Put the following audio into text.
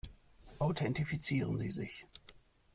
Authentifizieren Sie sich!